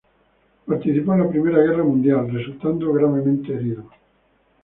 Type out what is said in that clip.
Participó en la Primera Guerra Mundial, resultando gravemente herido.